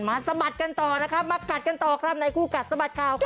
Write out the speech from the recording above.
สะบัดกันต่อนะครับมากัดกันต่อครับในคู่กัดสะบัดข่าวค่ะ